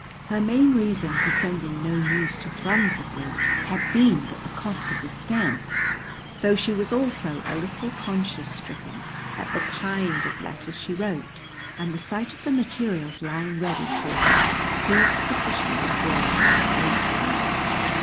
Her main reason for sending no news to Thrums of late had been but the cost of the stamp, though she was also a little conscience stricken at the kind of letters she wrote, and the sight of the materials lying ready for her proved sufficient to draw her to the table.